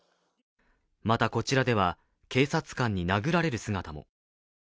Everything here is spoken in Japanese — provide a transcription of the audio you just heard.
また、こちらでは警察官に殴られる姿も。